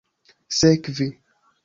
sekvi